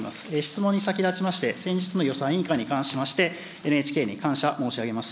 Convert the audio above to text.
質問に先立ちまして、先日の予算委員会に関しまして、ＮＨＫに感謝申し上げます。